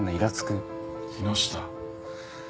木下。